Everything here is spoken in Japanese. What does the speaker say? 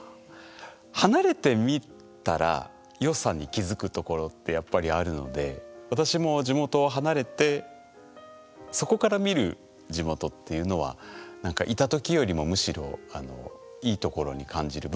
離れてみたらよさに気付くところってやっぱりあるので私も地元を離れてそこから見る地元っていうのはなんかいたときよりもむしろいいところに感じる部分もありますね。